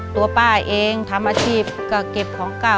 ตัวป้าเองทำอาชีพก็เก็บของเก่า